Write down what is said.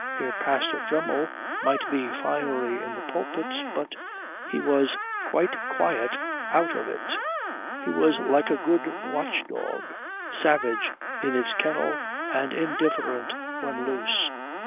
Herr Pastor Dremmel might be fiery in the pulpit, but he was quite quiet out of it; he was like a good watchdog, savage in its kennel and indifferent when loose.